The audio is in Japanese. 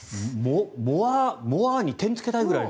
モワーに点をつけたいぐらい。